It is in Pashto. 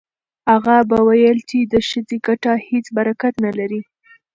اغا به ویل چې د ښځې ګټه هیڅ برکت نه لري.